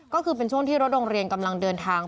ก็คือเป็นช่วงที่รถโรงเรียนกำลังเดินทาง